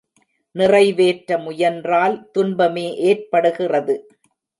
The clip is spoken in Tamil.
நிறைவேற்ற முயன்றால் துன்பமே ஏற்படுகிறது.